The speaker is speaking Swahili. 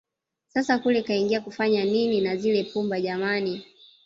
Sasa kule kaingia kufanya nini na zile pumba jamani